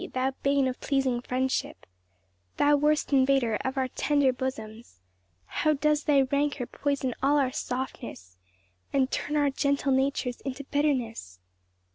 thou bane of pleasing friendship, Thou worst invader of our tender bosoms: How does thy rancour poison all our softness, And turn our gentle natures into bitterness!"